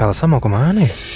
elsa mau kemana